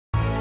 eh lo tau